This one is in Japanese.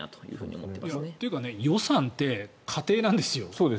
というか予算って仮定なんですよ。